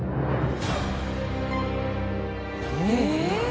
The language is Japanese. え？